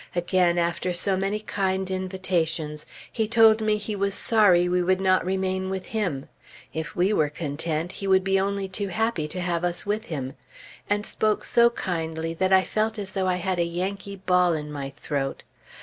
Again, after so many kind invitations, he told me he was sorry we would not remain with him; if we were content, he would be only too happy to have us with him; and spoke so kindly that I felt as though I had a Yankee ball in my throat.